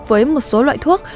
với một số loại thuốc